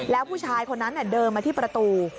แล้วผู้ชายคนนั้นเดินมาที่ประตู